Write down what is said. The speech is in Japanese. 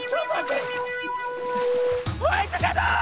ホワイトシャドー！